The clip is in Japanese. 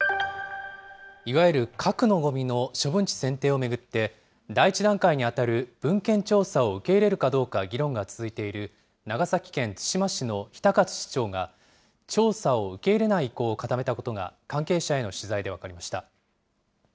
いわゆる核のごみの処分地選定を巡って、第１段階に当たる文献調査を受け入れるかどうか議論が続いている長崎県対馬市の比田勝市長が、調査を受け入れない意向を固めたことが関係者への取材で分かりました。